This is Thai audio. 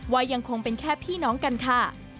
ยังคงเป็นแค่พี่น้องกันค่ะ